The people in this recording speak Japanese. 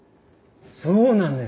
そうなんです。